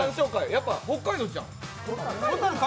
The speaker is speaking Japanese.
やっぱり北海道ちゃうん？